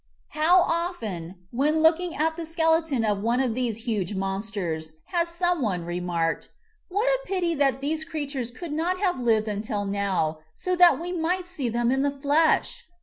How often, when looking at the skeleton of one of these huge monsters, has some one remarked, "What a pity that these creatures could not have lived until now, so that we might see them in the flesh